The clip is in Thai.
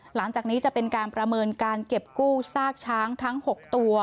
หลังจากนี้จะเป็นการประเมินการเก็บกู้ซากช้างทั้ง๖ตัว